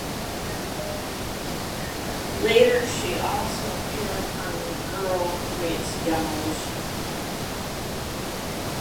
Later, she also appeared on "Girl Meets Demolition".